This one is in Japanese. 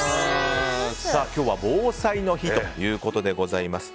今日は防災の日ということでございます。